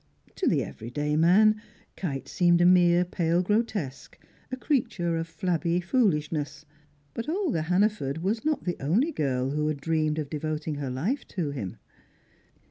To the everyday man, Kite seemed a mere pale grotesque, a creature of flabby foolishness. But Olga Hannaford was not the only girl who had dreamed of devoting her life to him.